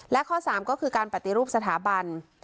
และข้อ๓ก็คือการปฏิรูปสถาบัน